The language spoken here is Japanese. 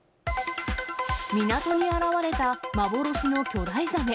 港に現れた幻の巨大ザメ。